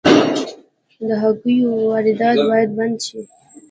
د هګیو واردات باید بند شي